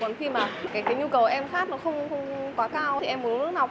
còn khi mà cái nhu cầu em khát nó không quá cao thì em muốn nước lọc